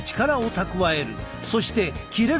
そして切れる